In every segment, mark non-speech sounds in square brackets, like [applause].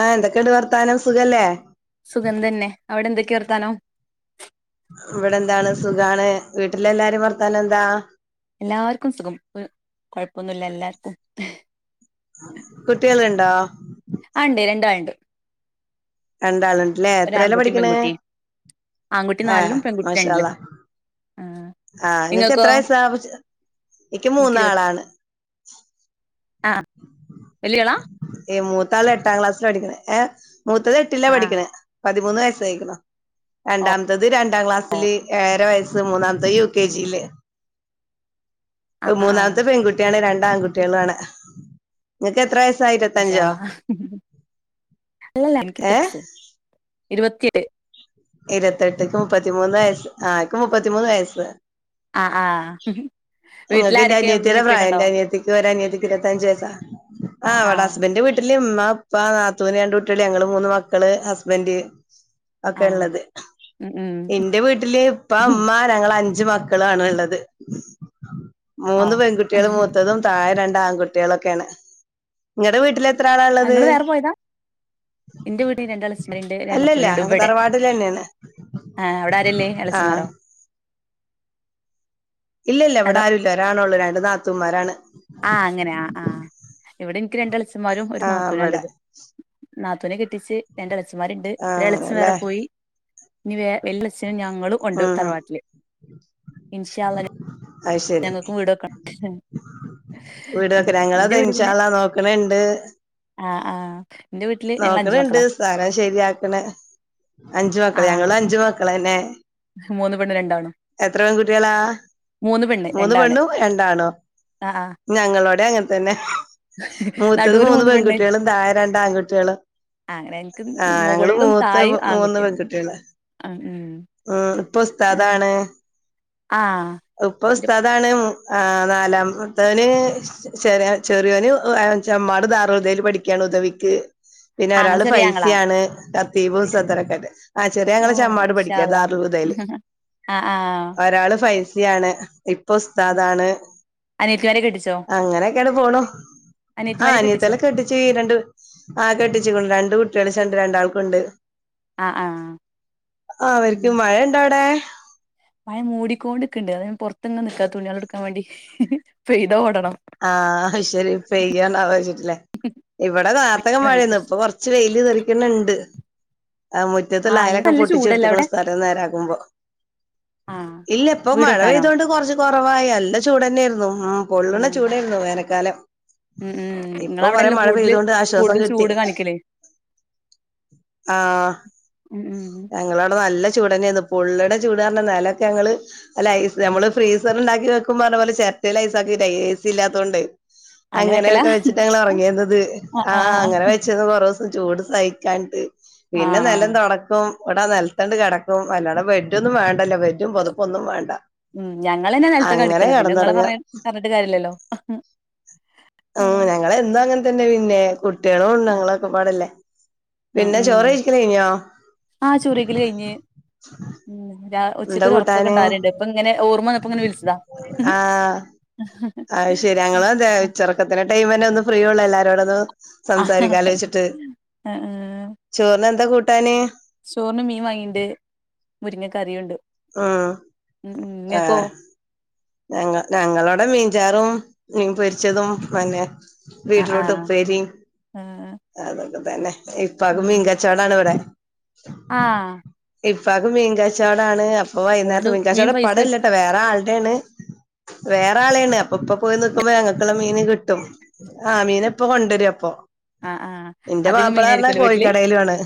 ആ എന്തൊക്കെയുണ്ട് വർത്താനം സുഖല്ലേ സുഗന്ധന്നെ അവിടെ എന്തൊക്കെയ വർത്താനോ ഇവിടെ എന്താണ് സുഖാണ് വീട്ടില എല്ലാരും ഭർത്താന എന്താ എല്ലാർക്കും സുഖം ഒരു കൊഴപ്പൊന്നുമല്ല എല്ലാർക്കും കുട്ടികളുണ്ടോ ആ ഉണ്ട് രണ്ടാളുണ്ട് രണ്ടാള്ണ്ട് ല്ലേ ഒരു എത്രയല്ലേ ആൺകുട്ടിയും പഠിക്കണ പെൺകുട്ടിയും ആൺകുട്ടി ആ നാലിലും പെൺകുട്ടി രണ്ടിലും മാഷാഅല്ലാഹ്‌ ആ ആ നിങ്ങക്ക് നിങ്ങൾക്കോ എത്ര വയസ എനിക്ക് മൂന്നാളാണ് ആ വല്ലിയാളാ ഏ മൂത്താള് എട്ടാം ക്ലാസ്സില് പഠിക്കണ ഏ മൂത്തത് എട്ടിലാ ആ പഠിക്കണെ പതിമൂന്ന് വയസ്സായിരിക്കണോ ഓ രണ്ടാമത്തത് രണ്ടാം ക്ലാസ്സില് ഏറെ വയസ് മൂന്നാമത്തെ യുക്കെജി ല്ലേ ആ ആ മൂന്നാമത്തെ പെൺകുട്ടിയാണ് രണ്ട് ആൺകുട്ടികളാണ് മഷ അല്ലല്ല എനക്ക് ഏഹ് തറ്റ്സ് ഇരുപത്തിയേഴു ഇരുപത്തെട്ട്ക്ക് മുപ്പത്തിമൂന്ന് വയസ്സ് ആക്ക് മുപ്പത്തിമൂന്ന് വയസ്സ് ആ ആ വീട്ടിൽ നിങ്ങക്ക് എന്റെ ആരൊക്കെ ഉമ്മി അനിയത്തിയുടെ ഉപ്പയൊക്കെ പ്രായം ഉണ്ടോ എന്റെ അനിയത്തിക്ക് ഒരനിയത്തിക്ക് ഇരൂപത്തഞ്ച് വയസാ ആ അവടെ ഹസ്ബന്റിന്റെ വീട്ടിൽ ട്ടിൽ മ്മ ഉപ്പ നാത്തൂന് രണ്ട കുട്ടികള് ഞങ്ങൾ മൂന്ന് മക്കള് ഹസ്ബൻഡ് ആ ള്ളത് ഉം ഉം എന്റെ വീട്ടില് ഇപ്പ അമ്മ ഞ അഞ് അഞ്ച് മക്കളാണ് ഉുള്ളത് ഓ മൂന്ന് പെൺകുട്ടികൾ മൂത്തതും താഴെ രണ്ട ആൺകുട്ടികളൊക്കെയാണ് നിങ്ങളടെ വീട്ടിലെ നിങ്ങള് വേറെ പോയതാ എന്റെ വീടിൽ ന്റെ ഹസ്ബൻഡ് ന്റെ അല്ലല്ല നാത്തൂൻ ഉണ്ട്‌ തറവാട്ടിൽ തന്നെയാണ് ആ അവിടെ ആരല്ലേ ആഹ് കളിച്ചുമാറോ ഇല്ല ഇല്ല ഇവിട ആരൂല്ല ഒരാളൊള്ളൂ രണ്ടു നാത്തൂന്മാരാണ്. ആ അങ്ങനെ ആ ആ ഇവിടെ എനിക്ക് രണ്ട് [unintelligible] ഒരു ആഹ് നാത്തൂനും ആ ഇവിടെ ഇള്ളത് നാത്തൂനെ കെട്ടിച്ച് എന്റെ അളച്ചിമാരുണ്ട് ഒ ആഹ് ഇളച്ചം വേറെ അങ്ങനെല്ലേ പോയി ഇനി വ വ ഞങ്ങളും ഒണ്ട് ഉം തറവാട്ടില് ഇന്ഷാ അല്ലാഹ് ഞങ്ങക്കും വീട് വക്കണം വീട് വെക്കെ ഞങ്ങളാ തനിച്ചാലാ നോക്കണിണ്ട് ആ ആ നോക്കണ ഇണ്ട് സാരം ശരിയാക്കണ് അഞ്ചു മക്കള് ഞങ്ങ ആഹ് അഞ്ചു മക്കള തന്നെ മൂന്ന് പെണ്ണും രണ്ടാണും എത്ര പെൺകുട്ടികളാ പെണ്ണ് മൂന്ന് രണ്ടാണ് പെണ്ണും രണ്ടാണോ ആഹ് ആഹ് ഞങ്ങളോടെ അങ്ങനെ തന്നെ മൂത്തത് നടുവില് മൂന്ന് പെണ്ണ് പെൺകുട്ടികളും തായെ രണ്ട് ആൺകുട്ടികളും ആഹ് അങ്ങനെ എനിക്ക് ട്ടികള് ആ ഞങ്ങള് മുകളിലും മൂത്ത താഴെയും മൂന്ന് ആൺകുട്ടിയാണ് പെൺകുട്ടികളാ ആഹ് ഉം ഉം ഇപ്പൊ ആഹ് ഉസ്താദാണ് ഉപ്പ ഇന്റെ ഉസ്താദാണ് ആ് നാലാമത്തവന്െ ചെറിയന്മ്മാട് ധാറാളദേൽ പഠിക്കയാണ് ഉദവിക്ക് പിന്നെ ആങ്ങള ഒരാള് ചെറിയ ആങ്ങളാ ഫൈസിയാണ് കത്തീബുസത്തരൊക്കെ ആയിട്ട് ചെറിയ ഞങ്ങളെ ഓഹ് ചമ്മാട് മാഷാ പഠിക്കുക അള്ളാ ദാറുൽ മൂത്തയിൽ ആഹ് ആഹ് ഒരാള് ഫൈസി ആണ് ഇപ്പൊ ഉസ്താദാണ് അനിയത്തിമാരെ കെട്ടിച്ചോ അങ്ങനെയൊക്കെയാണ് പോണു ആ അനിയത്തിമാരെ കെട്ടിച്ചോ അനിയത്തല കെട്ടച്ച്ു രണ്ട് ആ കെട്ടിച്ച രണ്ട് കുട്ടി കുട്ടളിച്ചണ്ട് രണ്ടാൾക്കുണ്ട് ആഹ് ആഹ് ഉം അവർക്ക്ും മഴ ഇണ്ടോ അവിടെ മഴ മൂടിക്കൊണ്ട്ക്കണ്ട് അതുകൊണ്ട് പുറത്ത്ങ്ങങ് നിക്കാ തുണികളെടുക്കാൻ വേണ്ടി പെയ്ത ഓടണം ആഹ ശരിപ്പ ചെയെയ്യണ്ട ആലോചിച്ചിട്ടില്ല ഇവിടെ കാലത്തക്ക മഴന്ന് ഇപ്പൊ കൊറച്ച് വെയില് തെറിക്കണ ഇണ്ട് ആ ആഹ് ഇന്ന് മുറ്റത്തുള്ളായയൊക്കെ നല്ല ചൂടല്ലേ പൊട്ടിച്ചെടുത്തക്കുന്ന അവിടെ സ്ഥലം നേരാകുമ്പോ ആഹ് ഇല്ല ഇപ്പ വീട് മഴ വെക്കാനോ പെയ്ത കൊണ്ട് കുറച്ച് കുറ- കുറവായി നല്ല ചൂട് തന്നെയായിരുന്നു ഉം ആഹ് പൊള്ളണ ചൂടായിരുന്നു വേനൽക്കാലം ഉം ഉം ഇപ്പൊ കൊറെ ഇങ്ങളവിടെല്ലേ മഴ കൂടുതല് പെയ്തൊണ്ട് ആശ്വാസം കൂടുതൽ കിട്ടി ചൂട് കാണിക്കല് ആഹ് ഉം ഉം ഞങ്ങടവിടെ നല്ല- ചൂടന്നന്ന് പൊള്ളടെ ചൂട്ന്ന് പറഞ്ഞ നിലക്കെ ഞങ്ങള് അല്ല ഐ നമ്മള് ഫ്രീസർണ്ട- വെക്ക്പ പറഞ്ഞ പോലെ ചെര ൈസാക്ക ഐസ് ഇല്ലത്തതൊണ്ട് അങ്ങനെ വെക്കലാ അങ്ങനെയൊക്കെ വെച്ചിട്ട് ഞങ്ങൾ ഇറങ്ങേുന്നത് ആഹ് അങ്ങനെ വെച്ചത് കൊറസ് ചൂട് സഹിക്കാഞ്ഞിട്ട് പിന്നെ നിലം ആഹ് തുടക്കും. ഇവിടെ നിലത്തണ്ട് കിടക്കും അല്ലത് ബെഡ് ഒന്നും വേ അല്ല ബെഡും പൊതുപ്പൊന്നും വേണ്ട. ഉം ഞങ്ങളന്നെ നെലത്ത്ക്കാ അങ്ങനെ കിടന്നിറങ്ങ. അഹ് ആഹ് ഞങ്ങള എന്നു അങ്ങൻതന്നെ പിന്നെ കുട്ടിളോണ്ട് ങ്ങളൊക്കെ പാടല്ലേ ആ പിന്നെ ഉം ചോറ് കഴിക്കല് കഴിഞ്ഞോ ആ ചുറികിൽ കഴിഞ്ഞ് [unintelligible] ഉച്ചക്ക് എന്താ ഒരു ഒറക്കൊക്കെ കൂട്ടാന് ണ്ടാരേണ്ട് ഇപ്പംങ്ങനെ ഓർമ്മ വന്നപ്പോ ഇങ്ങനെ വിളിസതാ. ആഹ് ശെരി അങ്ങളു അതേ ഉച്ചൊർക്കത്തിലെ ടൈം തന്നെ ഒന്ന് ഫ്രീയെള്ളൂ എല്ലാരോടും ഒന്ന് ആ സംസാരിക്കാലോ വച്ചിട്ട് ആ ചോറിന എന്താ കൂട്ടാന്? ചോറിന് മീൻ വാങ്ങീണ്ട് മുരിങ്ങ കറിയുണ്ട് ഉം ഉം നിങ്ങൾക്കോ ആഹ് ഞങ്ങ ഞങ്ങാടെ മീൻചാറും മീൻ പൊരിച്ചതും [unintelligible] ആ ആ വീട്ടിലോട്ട് ഉപ്പേരി ആ അതൊക്കെ തന്നെ ഇപ്പക്ക് ഉം മീൻകാച്ചോടാണ് ഇവടെ ആ ഇപ് ഇപ്പാക്ക് മീൻ കച്ചാടാണ് അപ്പൊ വൈകുന്നേരത്ത, അതുകൊണ്ട് മീൻ പൈസ കച്ചോടംഉപ്പാടെ ഇല്ലേട്ടെ വേറെ ആളുടെണ്. വേറെ ആളാണ് അപ്പം ഇപ്പോ പോയി നിക്കുമ്പോ ഞങ്ങക്കുള്ള മീനും കി ആഹ് മീനപ്പൊ കൊണ്ടുവരും അപ്പൊ- ആ ആ എന്റെ അധികം മാപ്പിള പറഞ്ഞാ മീനായിരിക്കുവല്ലോ വീട്ടില് കോഴിക്കടയൽ ആണ്.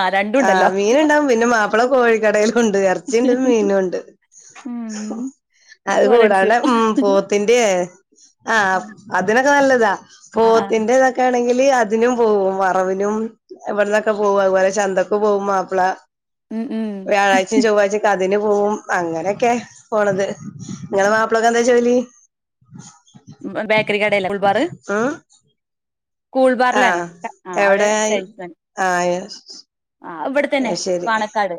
ആ രണ്ടും ആഹ് ഉണ്ടല്ലോ മീനു ഉണ്ടകും പിന്നെ മാപ്പിള കോഴിക്കടയിലും ഉണ്ട്. ഇറച്ചിണ്ട് മീനുണ്ട് ഉം ഉം അത് കൂടാണ്ടെ ഉം പോത്തിന്റെ- ആഹ് ആ അതിനൊക്കെ നല്ലതാ ആ ആ പോത്തിന്റെതൊക്കെ ആണെങ്കിൽ. ലി അതിനും പോവും വറവിനും ഇവട്ന്നൊക്കെ പോവും അഹ്പോലെ ചന്താക്ക് പോവും മാപ്പിളാ ഉം ഉം വ്യാഴാച ചൊവ്വയ്ച്ച കാ തിന് പോവും അങ്ങനെയൊക്കെ പോണത്. ങ്ങളെ മാപ്പിളേക്ക് എന്താ ജോലി? ബേ ബേക്കറി കടല്ലേ കുൾബാറ് ഉം ആഹ് എവിടെ സെയിൽസ്മാൻ ആയി ആ ആ ഇവിടെത്തന്നെ ശരി പാണക്കാട്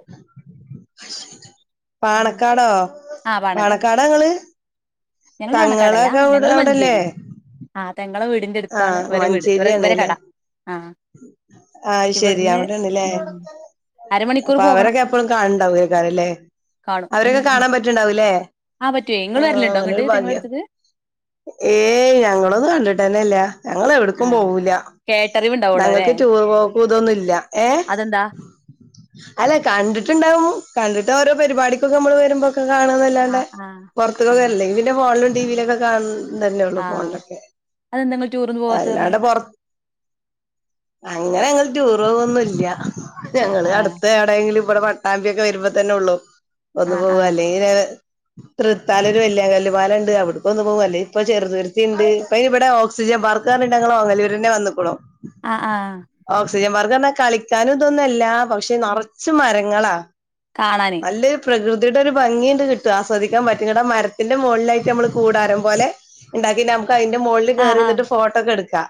ഉം പാണക്കാടോ പാണക്കാടാ ങ്ങള്? ഞങ്ങള്ൾ പാലക്കാട്‌ അല്ല ഞങ്ങള് അവിടെല്ലേ മഞ്ചേരി ആ- തെങ്ങളെ വീടിന്റെ അടുത്താണ് ആഹ് ഇവരെ വീട് ഇവര കട ആ- ആയ് ശെരി ഇവിടുന്ന് അവടെന്നാല്ലോ ഉം അരമണിക്കൂർ അപ്പൊ പോകണം അവരൊക്കെ എപ്പോഴും കാണണ്ടാവുംക്കാര അല്ലേ? കാണും അവരൊക്കെ കാണാൻ പറ്റിണ്ടാവും. ആ പറ്റോ നിങ്ങൾ വരല്ലുണ്ടോ ഇ ങ്ങട്ട് ഭാഗ്യ തെങ്ങളടുതൊട്ട് ഏയ് ഞങ്ങളൊന്ന കണ്ടിട്ടന്നെല്ല ഞങ്ങള് ആ എവിടക്കും പോവൂല. കേട്ടറിവ് ഉണ്ടാവുള്ളൂ അല്ലേ ഞങ്ങൾക്ക് ടൂർ പോക്കും ഇതൊന്നുല്ല. ഏ അതെന്താ അല്ലെ കണ്ടിട്ട്ണ്ടാവും. കണ്ടിട്ട് ഓരോ പരിപാടിക്കൊക്കെ നമ്മള് വെര്മ്പോക്കെ ആ കാണാന്നല്ലാണ്ടെ ആ ആ പുറത്തക്കൊക്കെ അല്ലെങ്കിൽ പിന്നെ ഫോണിലും ടിവിയിലൊക്കെ കാണ തന്നെള്ളു ഫോണിലൊക്കെ നിങ്ങള് ടൂറോന്ന് പോവാത്ത [unintelligible] അല്ലാണ്ട് പൊറ അങ്ങനെ ഞങ്ങള് ടൂറ് പോകൊന്നു ഇല്ല ആ ഞങ്ങള് ആ അട്ത്തേ എടെങ്കിലും ഇവടെ മട്ടാമ്പിയൊക്കെ വെര്മ്പോ തന്നെ ഒള്ളൂ. ആ ഒന്ന് ആ പോവാ ല്ലെങ്കില്ങ്‌നെ തൃത്താല ഒരു വല്യാങ്കല്മാല ഉണ്ട് അവിടക്കൊന്നന്ന് പോകും. ല്ലേ ഇപ്പൊ ചെറുതുരുത്തി ഉണ്ട് ഇപ്പ ഇവിടെ ഓക്സിജൻ- അർക്കാർഞ്ഞിട്ട് ങ്ങളെ ഓങ്ങല്ലുരന്നെ വന്ന്ക്ക്ണോ? ആഹ് ആഹ് [unintelligible] വർഗന്ന് കളിക്കാനു അതോന്നു അല്ലാ പശെ നേറച്ചും മരങ്ങളാ കാണാന് നല്ല പ്രകൃതി ഇതിടെ ഒരു ഭംഗിണ്ട് കിട്ടും ആസ്വദിക്കാൻ പറ്റും ഇന്നിട്ട് ആ മരത്തിന്റെ മുളിലായിട്ട് നമ്മൾ കൂടാരം പോലെ- ണ്ടാക്കി നം അതിന്റെ മുകളിൽ ആ ആ കയറന്നിട്ട് ഫോട്ടോക്കെ എടുക്കാ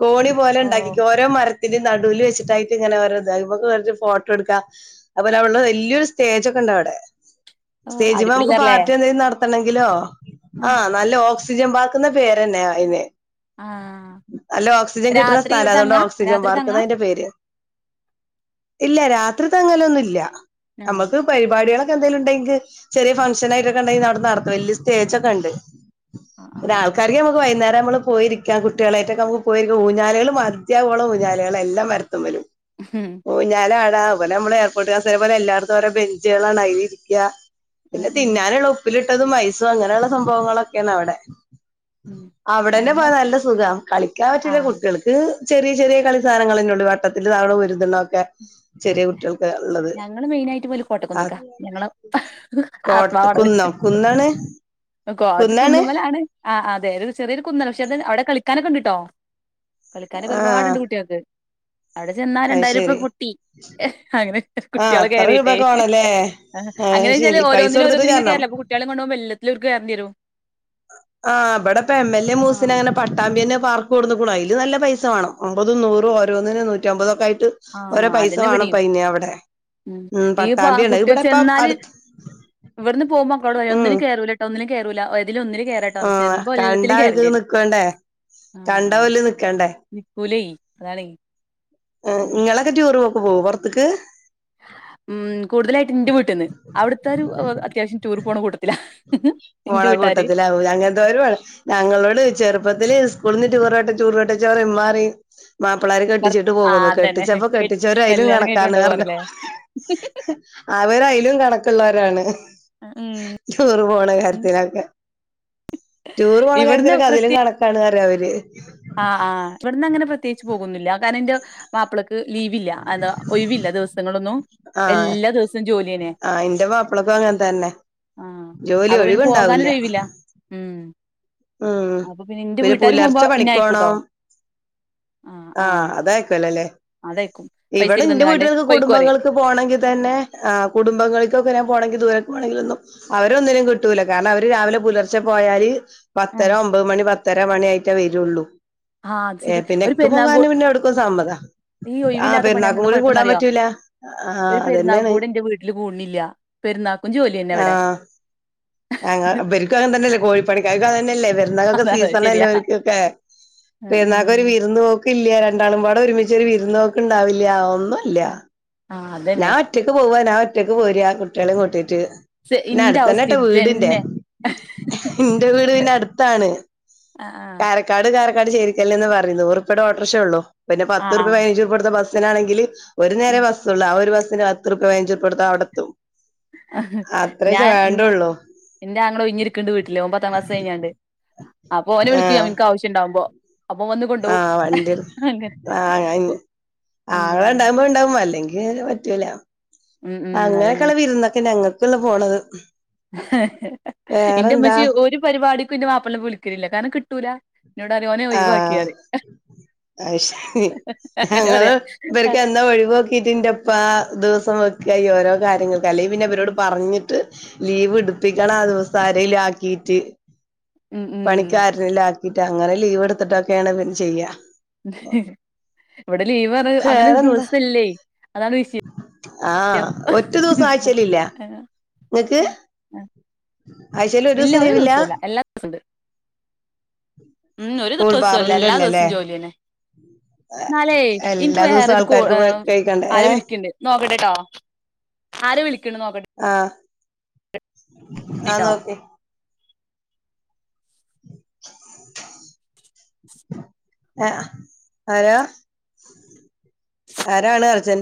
കോണി ഓ പോലെണ്ടാക്കി ഓരോ മര- ഇതിന്റ നടുവിൽ വെച്ചിട്ടായിട്ട് ഇങ്ങനെ വരത് അതുമ്മെക്ക് വേറെ ഒര് ഫോട്ടോ എടുക്കാം അതുപലെ അവള്ള വലിയൊ സ്റ്റേജൊക്കെ ന്താ വടെ ഓ സ്റ്റേജ് മ്മേ മ്മക്ക് അടിപൊളിയാല്ലേ പാർട്ടി എന്തെലും നടത്തണെങ്കിലോ ഉം ആഹ് നല്ല ഓക്സ് തിജൻ പാർക്ക്ന്നാ പേര്ന്നേ അയിന് ആാ നല്ല ഓക്സിജൻ കിട്ടുന്ന സ്ഥല അതുകൊണ്ട് ഓക്സിജൻ പാർക്കാന്ന അതിന്റെ പേര്. ഇല്ല രാത്രി തങ്ങലൊന്നുംല്ല. ആ നമ്മക്ക് പരിപാടികളൊ- ഞ്ന്തെലും ണ്ടെങ്ക് ചെറിയ ഫൻക്ഷനായിട്ടൊക്കെണ്ടെങ്കി അവ്ടെ നടത്ത വല്ല്യ സ്റ്റേജോക്കെണ്ട്. പിന്നെ ആഹ് ആൾക്കാർക്ക് നമ്മ്ക്ക് വൈകുന്നേരം നമ്മള് പോയിരിക്കാം കുട്ടിളോയിട്ടൊക്കെ നമ്മക്ക് പോയി ഊഞ്ഞാലുകള് മതിയാവോളം ഊഞ്ഞാലള എല്ലാം മരത്തമ്മലും ആഹ് ഊഞ്ഞാൽ ആ- ദ ഇവിടെ നമ്മള് എയർപോർട്ട് കാസ പോലെ എല്ലായിടുംഓരോ ബെഞ്ചളാണ് ആയില് ഇരിക്ക. ഉം പിന്നെ ഉം തിന്നാനുള്ള ഉപ്പിലിട്ടതും ഐസും അങ്ങനെയുള്ള സംഭവങ്ങളൊക്കെയാണ് അവിടെ. ഉം അവടെന്നെ ഞങ്ങള് പോയാ നല്ല സുഖാ കളിക്കാൻ പറ്റില്ല ആഹ് കുട്ടിൾക്ക് ചെറിയ ചെറിയ കളിസ്ഥാനങ്ങൾന്നോ വട്ടത്തി തവണ വരതണ ഒക്കെ ചെറിയ കുട്ടികൾ ഒള്ളത് ഞങ്ങള് മെയിനായിട്ട് പോല് ആ കോട്ടക്കുന്നുക്കാ ഞങ്ങള് കോട്ട് ആത്മാവാണത് കുന്നോ കുന്നാണ് [inaudible] അത് കുന്നാണ് കുന്നുമലാണ്. ആ അ അതെ ഒരു ചെറിയൊരു കുന്നല പക്ഷെ അത് അവിടെ കളിക്കാനൊക്കെ ഉണ്ടിട്ടോ. കളിക്കാനൊക്കെ ആഹ് ഒരുപാടുണ്ട് കുട്ടിൾക്ക്. അവിടെ ചെന്നാ അത് രണ്ടായിരംപ്പ ശരി പൊട്ടി. അങ്ങനെ ആഹ് കുട്ടികള് അത്ര കയറിട്ടേ. രൂപക്കെ വേണല്ലേ അയ് അങ്ങനെച്ചാല് ശരി പൈസ ഓരോന്നിന് കൊടുത്തിട്ട് ഓരോന്നിന് ഇങ്ങനെ കേറണം കേറെല്ലേ അപൊ കുട്ടിളെ കൊണ്ടോഉമ്പോ എല്ലത്തിലും ഓല്ക് കെറേണ്ടിരും. ആഹ് വടെപ്പോ എം എൽ എ മൂസിനാ ആഹ് അങ്ങനെ പട്ടാമ്പിന്നേ പാർക്ക് കൊടുന്നുക്കുണ് അഴില് നല്ല പൈസ വേണം. അമ്പതും നൂറും ഓരോന്നിന് നൂറ്റമ്പതൊക്കെ ആ ട്ടും ഓരോ ആഹ് പൈസ അതന്നെ വേണം ഇവിടേം ഇപ്പയ്ന് അവ്ടെ ഉം പട്ടാമ്പിയെണ്ട് ഇവടെ ഇപ്പം അട് ഇവടെന്ന് പോഉമ്പോ അക്കളോടറിം ഒന്നിലും കേറുല്ലാട്ടോ ഒന്നിലും കേറുല്ലാ ഒ ആഹ് കണ്ടാ ഒര്തി വരും നിക്കണ്ടേ കണ്ട വല്ല നിക്കണ്ടേ? അതാണെ ഏഹ് ഇങ്ങളൊക്കെ ട്യൂറ് ഓക് പോവോ പൊറത്ക്ക്? ഉം കൂടുതലായിട്ട് എന്റെ വീട്ടിന്ന് അവിടുത്തെ ഒരു അത്യാവശ്യം ടൂർ പോണ കൂട്ടത്തില്ല. പോണ കൂട്ടത്തിലാവൂലെ അങ്ങെനേതൊരു ഞങ്ങളോട് ചെറുപ്പത്തില് സ്കൂളിന്ന് ടൂർ പോയിട്ട് ടൂർ പോയിട്ട് മ്മറി മാപ്പിളാർ ഭർ കെട്ടിച്ചിട്ട് ആ പോകുന്നു അതന്നെ കെട്ടിച്ചപ്പോ കെട്ടിച്ചവര അയലും കല്യാണം കഴിഞ്ഞിട്ട് കണക്കാണ് പറഞ്ഞു. കൊണ്ടോവാറില്ലേ അവരയാലും കണക്കെള്ളവരാണ് ഉം ടൂറ് പോണ കാരാ ത്തിലെക്കേ ടൂർ പോണാ കാര്യത്തിലൊക്കെ അതിലും കണക്കാണ് [unintelligible] അവര് ആഹ് ആഹ് ഇവടെന്ന് അങ്ങനെ പ്രത്യേകിച്ച് പോകുന്നില്ലാ കാരണം എന്റെ മാപ്പിളക് ലീവില്ല അത ഒഴിവില്ല ദിവസങ്ങളൊന്നും ആഹ് എല്ലാ ദിവസവും ജോലി ആഹ് ഇന്റെ മാപ്പളക്കു അങ്ങൻതന്നെ ആ ജോലി അപ്പൊ പിന്നെ ഒഴിവ്ണ്ടാവ് ല്യ. പോകാനൊരു ഒഴിവില്ല ഉം ഉം അപ്പൊ പിന്നെ ഇന്റെ ഒരു വീട്ടാര് പോകുമ്പോ പുലർച്ചെ ഇന്നെ പണിക്കോണംോ അയക്കൂട്ടോ ആ ആ ആഹ് അതായക്കോലല്ലേ? അതയക്കും ഇവിടെ പൈസക്കെ ഇന്റെ തന്ന്കാണ്ട് വീട്ടുകൾക്ക് പൊയ്ക്കോ പറയും കുടുംബങ്ങൾക്ക് പോണെങ്കിൽ തന്നെ ആ കുടുംബങ്ങൾക്കൊക്കെ ഞാൻ പോണെങ്കിൽ ദൂര ണെങ്കിലൊന്നും അവര ഒന്നിനും കിട്ടൂല. കാരണം അവര് രാവിലെ പുലർച്ചെ പോയാല്. പത്തര ഒമ്പത് മണി പത്തര മണി ആയിട്ടേ വെരുള്ളൂ. ആ അത് ഏ ശരി പിന്നെ ഒരു ഇക്കെ പോക പെരുന്നാൾകൂ പിന്നെ എവിടുക്കും സമ്മത. ഈ ആഹ് ഒഴിവില്ലാത്ത പണിയാവുമ്പോ പെരുന്നാക്കും എന്താ കൂടി കൂടാൻ കുഴപ്പന്നറിയോ പറ്റൂല്ലാ. ആഹ് ഒരു അതന്നെണ്. രുന്ന കുഞ്ചപോലിന്നെ എവിടെ അങ്ങ ഇവർക്കും അങ്ങെ തന്നെയല്ലേ കോഴിപ്പണിക്കാ കന്നല്ലേ പെരുന്നൊക്കെ അതാ ശരിയാ സീസണല്ലർക്കൊക്കെ പെരുന്നാക്ക് ഉം ഒര് വിരുന്ന് പോക്ക് ഇല്ല രണ്ടാളും പാടെഒരുമിച്ചൊരു വിരുന്നോക്ണ്ടാവില്ല ഒന്നുംല്ല ആ അതന്നെ ഞാൻ ഒറ്റയ്ക്ക് പോവാ ഞാൻ ഒറ്റയ്ക്ക് പോര കുട്ട്യാളിം കൂട്ടിട്ട് പിന്നെ ഇന്റെ അടുത്തന്നെ അവസ്ഥ ട്ടാ വീട്ന്റെ ഇതന്നെ എന്റെ വീട് പിന്നെ അടുത്താണ് ആ ആ കാരക്കാട് കാര ശരിക്കല്ലേന്ന് പർഞ്ഞിനു നൂറുപ്യേടോട്ടോർഷേ ഒള്ളു പിന്നെ ആ ആ പത്തുർപ്യ പതിനഞ്ചുർപ്യ കൊട്ത്താ ബസിനാണെങ്കില് ഒരു നേരെ ബസ്സൊള്ളു. ആ ഒരു ബസ്സിസ് പത്തൂർപ്യേ പയ്നഞ്ചുർപ്യേ കൊട്ത്താ അവിടുത്തും ആ ഞാൻ ഇ എന്റെ അങ്ങള ഒയ്ഞ്ഞിരിക്ക്ണ്ട് വീട്ടില് ഒൻ പത്താം ക്ലാസ് കഴിഞ്ഞാണ്ട് അപ്പൊ ഓനെ വിളിക്കും ആഹ് ഇൻക്ക് ആവശ്യണ്ടാവുമ്പോ അപ്പൊ വന്ന് കൊണ്ടോവും ആഹ് വണ്ടി അങ്ങനെ ആ ഉം ആളെ ഉണ്ടാവുമ്പോ ഉണ്ടാവും അല്ലെങ്കിൽ അ പറ്റൂല ഉം ഉം അതന്നെ അങ്ങനെയൊക്കെയുള്ള വിരുന്നൊക്കെ ഞങ്ങൾക്കുള്ള പോണത് ഇന്റെ വേറെന്താ ഉമ്മച്ചി ഒരു പരിപാടിക്കും ഇന്റെ മാപ്പളെനെ പ്പ വിളിക്കൽല്ല കാരണം കിട്ടൂല ഇന്നോട് ഓനെ ഒയവാക്കിയാ അയ് ശെരി. ഞങ്ങള് ഇവർക്കെന്നാ ഒഴിവോക്കീട്ടിന്റെപ്പാ ദിവസം വക്കായ്യ ഓരോ കാര്യങ്ങൾക്ക് അല്ലെങ്കി പിന്നവരോട് ഉം പറഞ്ഞിട്ട് ലീവ് എടുപ്പിക്കണം ആ ദിവസം ആരേലു ആക്കീട്ട് ഉം ഉം പണിക്കാരനല്ലെ എന്നിട്ട അങ്ങനെ ലീവ് എടുത്തിട്ടൊക്കെയാണ് പിന്നെ ചെയ്യാ ഇവിടെ ലീവ് പറ അങ്ങനെ ഒരു ദിവസല്ലേ ആഹ ഒറ്റദിവസോം ആഴ്ച്ചലില്ല ഇങ്ങക്ക് ആഴ്ചേല് ഇല്ല ദിവസം ഒരു ലീവില്ല ദിവസല്ല എല്ലാ ദിവസുണ്ട് ഉ ഒരു സ്കൂൾ ദിവസോല്ല എല്ലാ ദിവസവും ബാറിന്റെല്ലല്ലേ ജോലിന്നെ നാലേ ഇൻക്ക് എല്ലാ ദിവസവും വേറരു കോ- ആ. ആൾക്കാർക്ക് കഴിക്കണ്ടേ രോ ഏ വിളിക്കണ്ട് നോക്കട്ടെ ട്ടോ ആര് വിളിക്കണ നോക്കട്ടെ ആഹ നോക്കി [inaudible] ആരാ ആരാണ് അർജന്റ്